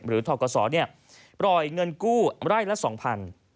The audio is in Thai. ทกศปล่อยเงินกู้ไร่ละ๒๐๐บาท